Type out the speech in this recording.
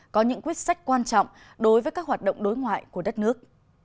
có những quyết sách quan trọng đối với các hoạt động đối ngoại của đất nước